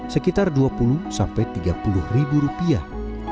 sekitar dua puluh sampai tiga puluh ribu rupiah